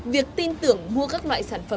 việc tin tưởng mua các loại sản phẩm